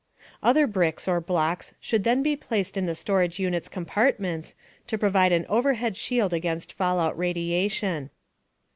Other bricks or blocks should then be placed in the storage unit's compartments, to provide an overhead shield against fallout radiation.